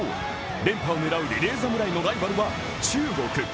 連覇を狙うリレー侍のライバルは中国。